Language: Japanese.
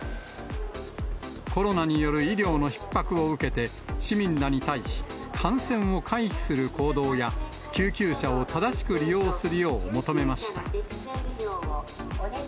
コロナによる医療のひっ迫を受けて、市民らに対し、感染を回避する行動や、救急車を正しく利用するよう求めました。